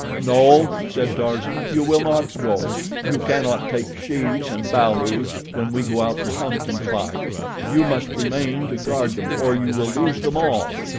"No," said Tarzan, "you will not all go. We cannot take shes and balus when we go out to hunt and fight. You must remain to guard them or you will lose them all."